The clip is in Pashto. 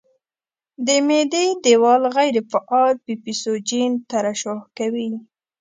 د معدې دېوال غیر فعال پیپسوجین ترشح کوي.